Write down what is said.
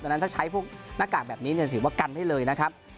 ดังนั้นถ้าใช้พวกหน้ากากแบบนี้ถือว่ากันได้เลยนะครับ